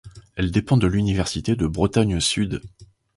Elle dépend de l'université de Bretagne Sud.